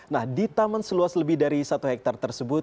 nah di taman seluas lebih dari satu hektare tersebut